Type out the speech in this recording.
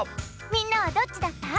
みんなはどっちだった？